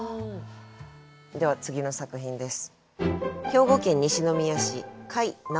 では次の作品です。